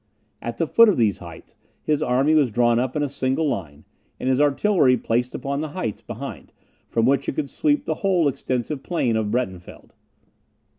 At the foot of these heights, his army was drawn up in a single line, and his artillery placed upon the heights behind, from which it could sweep the whole extensive plain of Breitenfeld.